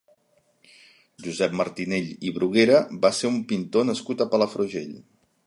Josep Martinell i Bruguera va ser un pintor nascut a Palafrugell.